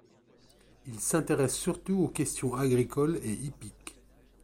Il s'intéresse surtout aux questions agricoles et hippiques.